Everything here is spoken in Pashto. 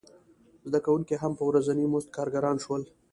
زده کوونکي هم په ورځیني مزد کارګران شول.